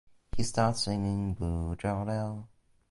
He starts singing "Blue Yodel".